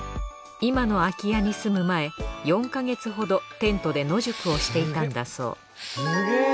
今の空き家に住む前４ヵ月ほどテントで野宿をしていたんだそうすげぇ！